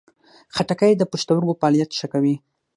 خټکی د پښتورګو فعالیت ښه کوي.